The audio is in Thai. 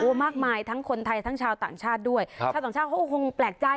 มากมายทั้งคนไทยทั้งชาวต่างชาติด้วยครับชาวต่างชาติเขาก็คงแปลกใจ